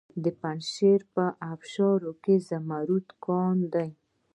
د پنجشیر په ابشار کې د زمرد کانونه دي.